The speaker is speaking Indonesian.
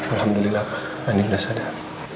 alhamdulillah adik udah sadar